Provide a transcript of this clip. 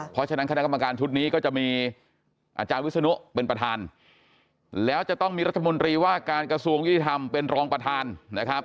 เพราะฉะนั้นคณะกรรมการชุดนี้ก็จะมีอาจารย์วิศนุเป็นประธานแล้วจะต้องมีรัฐมนตรีว่าการกระทรวงยุติธรรมเป็นรองประธานนะครับ